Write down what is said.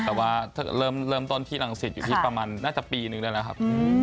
แต่ว่าเริ่มต้นที่รังสิตอยู่ที่ประมาณน่าจะปีนึงได้แล้วครับ